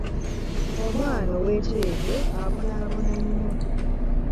Omwana ow'ekyejo abonaabona nnyo.